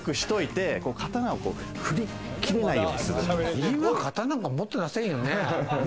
今、刀なんて持ってませんよね。